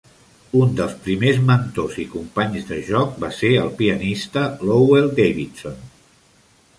Un dels primers mentors i companys de joc va ser el pianista Lowell Davidson.